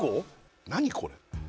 何これ？